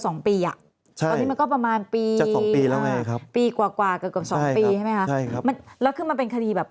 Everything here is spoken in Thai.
ตอนนี้มันก็ประมาณปีปีกว่ากว่าเกือบกว่า๒ปีใช่ไหมครับแล้วคือมันเป็นคดีแบบ